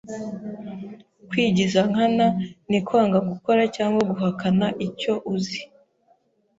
Kwigiza Nkana ni kwanga gukora cg guhakana icyo uzi.